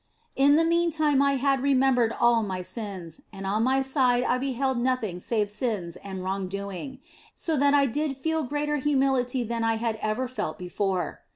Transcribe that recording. In the meantime I had remembered all my sins, and on my side I beheld nothing save sins and wrong doing, so that I did feel greater humility than I had ever felt before.